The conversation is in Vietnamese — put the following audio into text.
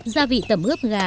gia vị tẩm ướp gà